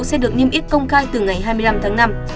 sẽ được niêm yết công khai từ ngày hai mươi năm tháng năm